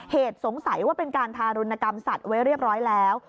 สงสัยว่าเป็นการทารุณกรรมสัตว์ไว้เรียบร้อยแล้ว